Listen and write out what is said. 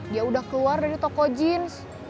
dia udah keluar dari toko jeans